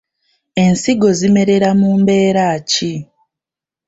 Ensigo zimerera mu mbeera ki?